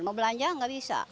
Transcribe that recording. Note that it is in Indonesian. mau belanja gak bisa